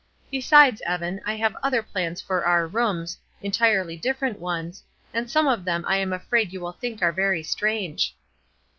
Besides, Evan, I have other plans for our rooms, entirely different ones, and some of them I am afraid you will think are very strange."